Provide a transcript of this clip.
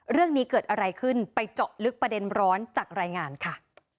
เรื่องนี้เกิดอะไรขึ้นไปเจาะลึกประเด็นร้อนจากรายงานค่ะ